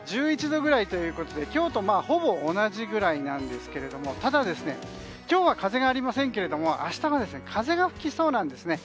１１度くらいということで今日とほぼ同じくらいなんですがただ、今日は風がありませんけれども明日は風が吹きそうなんです。